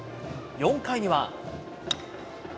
４回には。